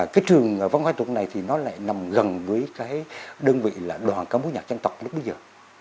cái trường văn hóa nghệ thuật này thì nó lại nằm gần với cái đơn vị là đoàn cao bố nhạc dân tộc lúc bây giờ